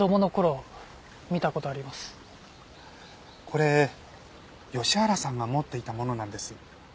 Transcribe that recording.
これ吉原さんが持っていたものなんです。